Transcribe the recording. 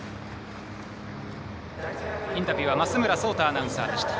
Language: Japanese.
インタビューは増村聡太アナウンサーでした。